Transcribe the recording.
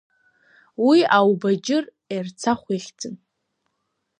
Уи аубаџьыр Ерцахә ихьӡын.